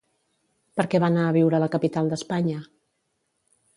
Per què va anar a viure a la capital d'Espanya?